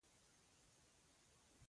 پیرودونکی له دوکاندار مننه وکړه.